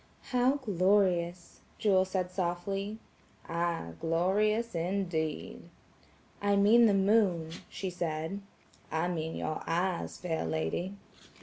"How glorious," Jewel said softly. "Ay glorious indeed!" "I mean the moon," she said. "I mean your eyes, fair lady."